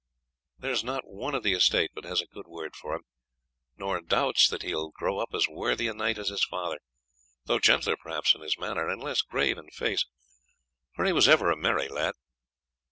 There is not one on the estate but has a good word for him, nor doubts that he will grow up as worthy a knight as his father, though gentler perhaps in his manner, and less grave in face, for he was ever a merry lad.